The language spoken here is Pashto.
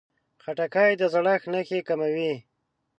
خټکی د زړښت نښې کموي.